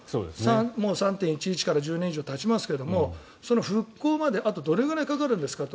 もう３・１１から１０年以上たちますけれどその復興まで、あとどれぐらいかかるんですかと。